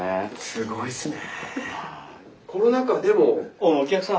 すごいっすね。